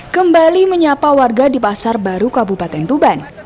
kembali menyapa warga di pasar baru kabupaten tuban